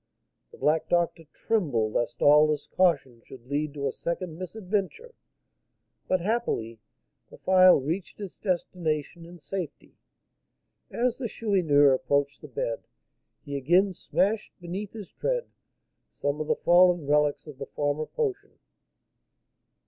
The black doctor trembled lest all this caution should lead to a second misadventure, but, happily, the phial reached its destination in safety. As the Chourineur approached the bed, he again smashed beneath his tread some of the fallen relics of the former potion.